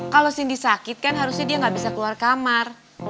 kalau cindy sakit kan harusnya dia nggak bisa keluar kamar